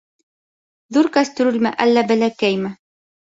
Ҙур кәстрүлме әллә бәләкәйме?